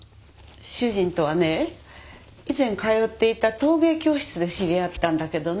主人とはね以前通っていた陶芸教室で知り合ったんだけどね